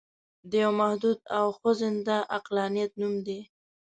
د یوه محدود او خوځنده عقلانیت نوم دی.